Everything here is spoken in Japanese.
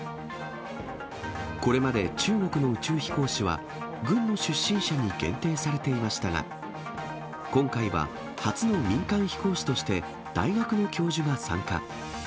これまで中国の宇宙飛行士は、軍の出身者に限定されていましたが、今回は初の民間飛行士として大学の教授が参加。